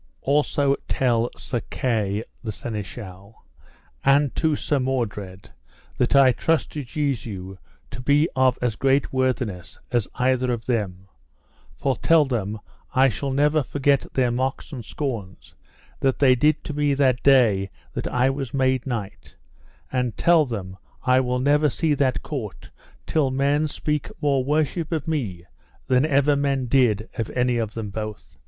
Also tell Sir Kay the Seneschal, and to Sir Mordred, that I trust to Jesu to be of as great worthiness as either of them, for tell them I shall never forget their mocks and scorns that they did to me that day that I was made knight; and tell them I will never see that court till men speak more worship of me than ever men did of any of them both.